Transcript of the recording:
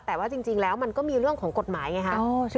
แต่ว่าจริงแล้วมันก็มีเรื่องของกฎหมายไงฮะ